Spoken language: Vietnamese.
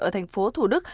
ở thành phố thủ đức